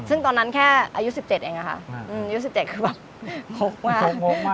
ซึ่งตอนนั้นแค่อายุสิบเจ็ดเองอ่ะค่ะอืมอายุสิบเจ็ดคือแบบโค้กมาก